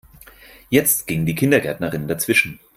Jetzt ging die Kindergärtnerin dazwischen.